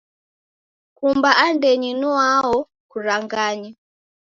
Kumba andenyi nwao kuranganye.